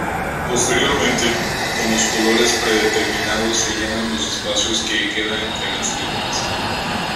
Posteriormente, con los colores predeterminados se llenan los espacios que quedan entre las líneas.